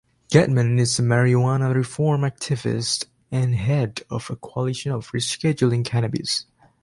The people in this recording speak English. Gettman is a marijuana reform activist and head of the Coalition for Rescheduling Cannabis.